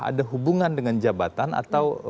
ada hubungan dengan jabatan atau